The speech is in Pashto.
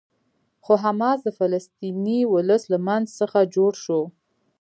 خو حماس د فلسطیني ولس له منځ څخه جوړ شو.